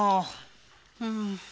うん。